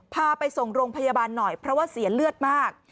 พาไปส่งโรงพยาบาลหน่อยเพราะว่าเสียเลือดมาก